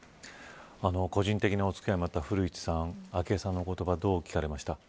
個人的なお付き合いもあった古市さん昭恵さんの言葉どう聞かれました。